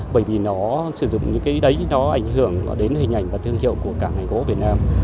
bởi vì nó sử dụng những cái đấy nó ảnh hưởng đến hình ảnh và thương hiệu của cảng hàng gỗ việt nam